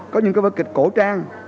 có những cái vợn kịch cổ trang